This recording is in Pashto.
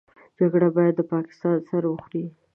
جګړه بايد د پاکستان سر وخوري.